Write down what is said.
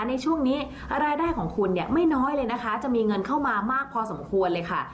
ในช่วงนี้รายได้ของคุณเนี่ยไม่น้อยเลยนะคะจะมีเงินเข้ามามากพอสมควรเลยค่ะ